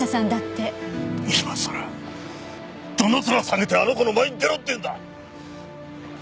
今更どの面下げてあの子の前に出ろっていうんだ！